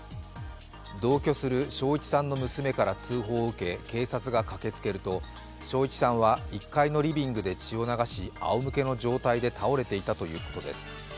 同居する松一さんの娘から通報を受け警察が駆けつけると松一さんは１階のリビングで血を流し、あおむけの状態で倒れていたということです。